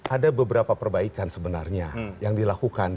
ada beberapa perbaikan sebenarnya yang dilakukan